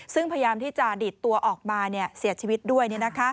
ซึ่งพยายามที่จะดิดตัวออกมาเสียชีวิตด้วย